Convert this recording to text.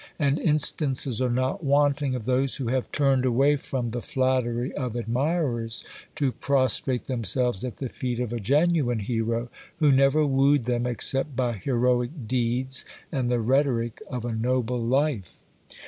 And instances are not wanting of those who have turned away from the flattery of admirers to prostrate themselves at the feet of a genuine hero who never wooed them except by heroic deeds and the rhetoric of a noble life.